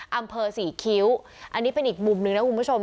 อำเภอสี่คิ้วอันนี้เป็นอีกมุมนึงนะคุณผู้ชม